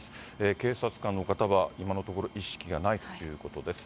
警察官の方は今のところ、意識がないということです。